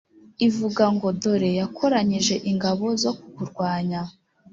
ivuga ngo «Dore yakoranyije ingabo zo kukurwanya!»